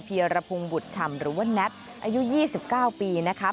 เพียรพุงบุธชำหรือว่านัทอายุ๒๙ปีนะคะ